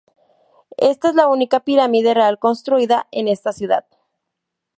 Esta es la única pirámide real construida en esta ciudad.